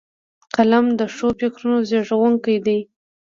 قلم د ښو فکرونو زیږوونکی دی